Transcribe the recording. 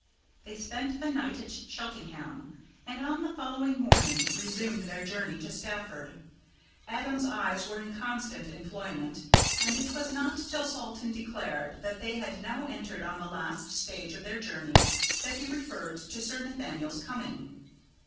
They spent the night at Cheltenham, and on the following morning resumed their journey to Stafford. Adam's eyes were in constant employment, and it was not till Salton declared that they had now entered on the last stage of their journey, that he referred to Sir Nathaniel's coming.